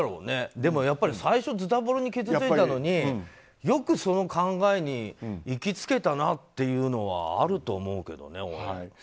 でもやっぱり最初はずたぼろに傷ついたのによくその考えに行きつけたなっていうのはあると思うけどね。